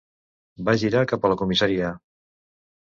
Va girar cap a la comissaria.